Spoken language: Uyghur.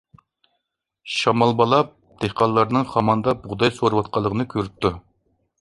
شامال بالا دېھقانلارنىڭ خاماندا بۇغداي سورۇۋاتقانلىقىنى كۆرۈپتۇ.